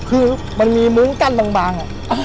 คือมันมีมุ้งกั้นบาง